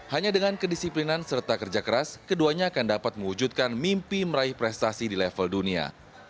hanya dengan kedisiplinan serta kerja keras keduanya akan dapat mewujudkan mimpi meraih prestasi di level dunia